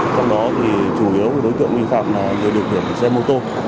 trong đó thì chủ yếu đối tượng vi phạm là điều khiển xe mô tô